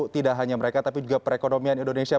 tidak hanya mereka tapi juga perekonomian indonesia